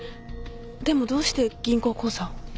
でもどうして銀行口座を？